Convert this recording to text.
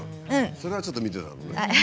それはちょっと見てたのね。